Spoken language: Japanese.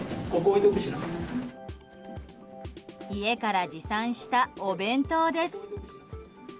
家から持参したお弁当です。